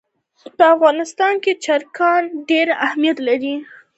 په افغانستان کې چرګان ډېر اهمیت لري.